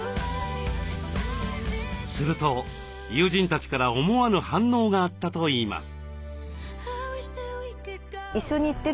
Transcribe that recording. すると友人たちから思わぬ反応があったといいます。